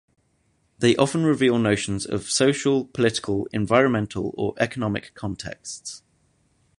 They often reveal notions of social, political, environmental or economic contexts.